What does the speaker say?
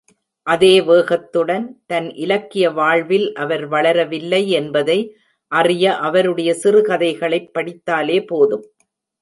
அதே வேகத்துடன், தன் இலக்கிய வாழ்வில் அவர் வளரவில்லை என்பதை அறிய அவருடைய சிறுகதைகளைப் படித்தாலே போதும்!